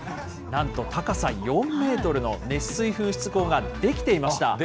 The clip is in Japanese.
なんと高さ４メートルの熱水噴出孔が出来ていました。